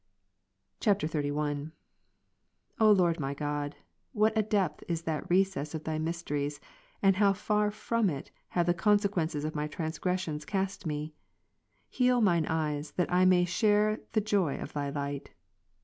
[XXXL] 41. O Lord my God, what a depth is that recess of Thy mysteries, and how far from it have the consequences of my transgressions cast me ! Heal mine eyes, that I may share the joy of Thy light.